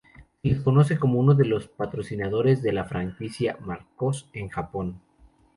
Se les conoce como uno de los patrocinadores de la franquicia "Macross" en Japón.